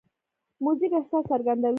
موزیک احساس څرګندوي.